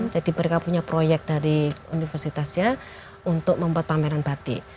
jadi mereka punya proyek dari universitasnya untuk membuat pameran batik